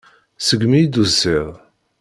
Segmi i d-tusiḍ.